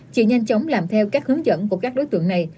chị nhanh chóng làm theo các hướng dẫn của các đối tượng này